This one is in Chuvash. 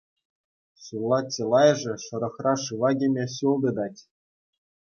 Ҫулла чылайӑшӗ шӑрӑхра шыва кӗме ҫул тытать.